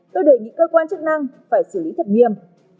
tôi đợi những cơ quan chức năng phải xử lý thật nghiêm